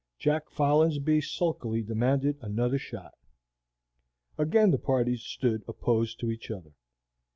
Jack Folinsbee sulkily demanded another shot. Again the parties stood opposed to each other.